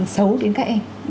xấu đến các em